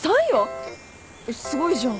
すごいじゃん。